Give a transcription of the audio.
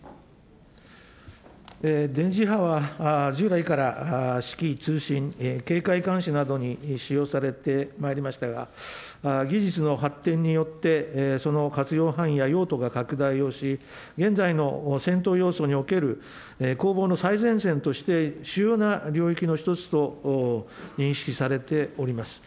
電磁波は従来から指揮、通信、警戒監視などに使用されてまいりましたが、技術の発展によって、その活用範囲や用途が拡大をし、現在の戦闘要素における攻防の最前線として主要な領域の１つと認識されております。